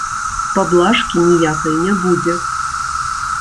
Паблажкі ніякай не будзе.